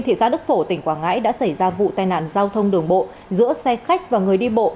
thị xã đức phổ tỉnh quảng ngãi đã xảy ra vụ tai nạn giao thông đường bộ giữa xe khách và người đi bộ